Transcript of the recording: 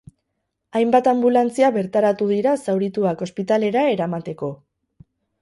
Hainbat anbulantzia bertaratu dira zaurituak ospitalera eramateko.